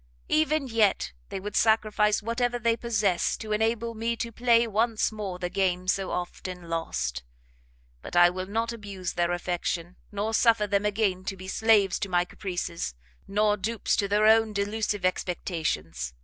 Even yet they would sacrifice whatever they possess to enable me to play once more the game so often lost; but I will not abuse their affection, nor suffer them again to be slaves to my caprices, nor dupes to their own delusive expectations.